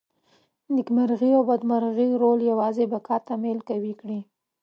نېکمرغي او بدمرغي رول یوازې بقا ته میل قوي کړي.